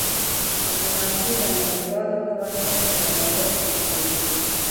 ډيپلوماسي د نړیوالو قوانینو ته درناوی تشویقوي.